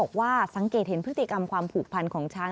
บอกว่าสังเกตเห็นพฤติกรรมความผูกพันของช้าง